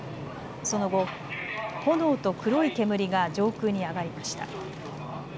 その後、炎と黒い煙が上空に上がりました。